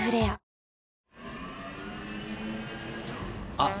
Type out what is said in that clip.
あっ。